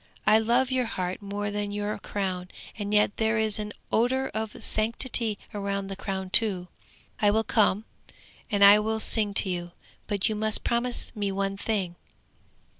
I love your heart more than your crown, and yet there is an odour of sanctity round the crown too! I will come, and I will sing to you! But you must promise me one thing!